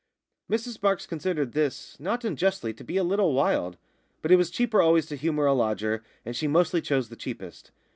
Mrs Marks considered this, not unjustly, to be a little wild. But it was cheaper always to humour a lodger; and she mostly chose the cheapest.